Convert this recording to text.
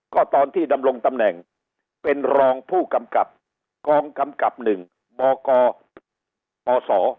ก็ตอนที่ดำรงตำแหน่งเป็นรองผู้กำกับกองกำกับ๑บกอศ